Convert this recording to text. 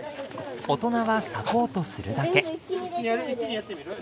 大人はサポートするだけ。